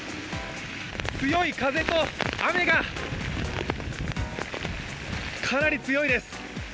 強い風と雨がかなり強いです。